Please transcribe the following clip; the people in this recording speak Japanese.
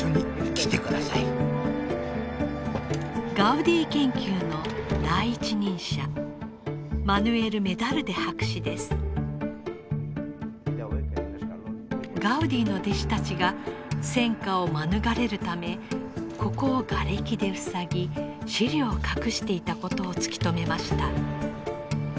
ガウディ研究の第一人者ガウディの弟子たちが戦火を免れるためここをがれきで塞ぎ資料を隠していたことを突き止めました。